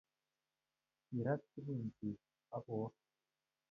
kirat tungukchi ago woo